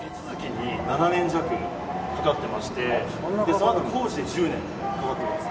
そのあと工事で１０年かかってます。